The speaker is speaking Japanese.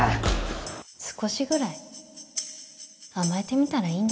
少しぐらい甘えてみたらいいんです。